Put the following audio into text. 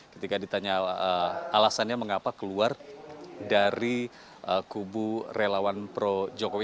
ketika ditanya alasannya mengapa keluar dari kubu relawan pro jokowi